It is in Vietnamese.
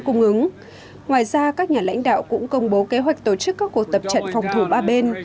cung ứng ngoài ra các nhà lãnh đạo cũng công bố kế hoạch tổ chức các cuộc tập trận phòng thủ ba bên